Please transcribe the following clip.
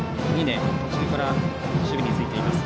途中から守備についています。